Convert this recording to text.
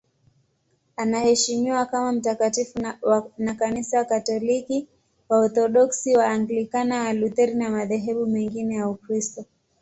Anaheshimiwa kama mtakatifu na Kanisa Katoliki, Waorthodoksi, Waanglikana, Walutheri na madhehebu mengine ya Ukristo.